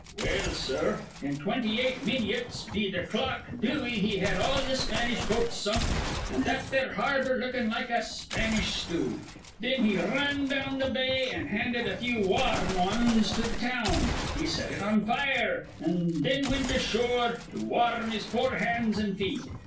"Well, sir, in twinty eight minyits be th' clock Dewey he had all th' Spanish boats sunk, an' that there harbor lookin' like a Spanish stew. Thin he r run down th' bay, an' handed a few war rm wans into th' town. He set it on fire, an' thin wint ashore to war rm his poor hands an' feet.